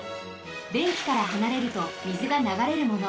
べんきからはなれると水がながれるもの。